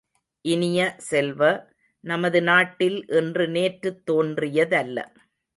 இனிய செல்வ, நமது நாட்டில் இன்று நேற்றுத் தோன்றியதல்ல.